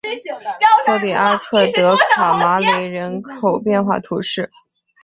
托里阿克德卡马雷人口变化图示